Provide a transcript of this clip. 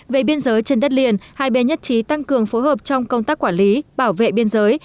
về biên giới trên đất liền hai bên nhất trí tăng cường phối hợp trong công tác quản lý bảo vệ biên giới